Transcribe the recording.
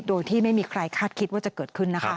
โดยที่ไม่มีใครคาดคิดว่าจะเกิดขึ้นนะคะ